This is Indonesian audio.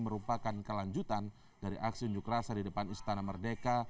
merupakan kelanjutan dari aksi unjuk rasa di depan istana merdeka